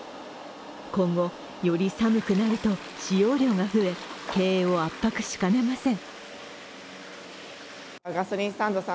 今後、より寒くなると使用量が増え経営を圧迫しかねません。